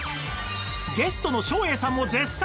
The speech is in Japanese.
ゲストの照英さんも絶賛